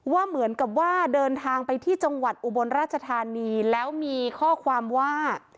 ว่าเหมือนกับว่าเดินทางไปที่จังหวัดอุบลราชธานีแล้วมีข้อความว่า